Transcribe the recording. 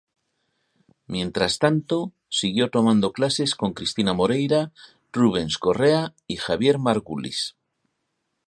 Mientras tanto siguió tomando clases con Cristina Moreira, Rubens Correa y Javier Margulis.